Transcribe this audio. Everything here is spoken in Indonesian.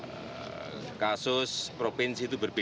jadi ini masih di setiap kasus provinsi itu berubah